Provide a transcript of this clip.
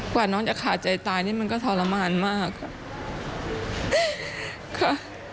กว่าน้องจะขาดใจตายนี่มันก็ทรมานมากค่ะ